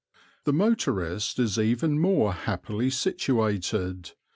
The motorist is even more happily situated.